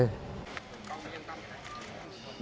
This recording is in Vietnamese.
đồng cảm chia sẻ với các nhà nước đưa về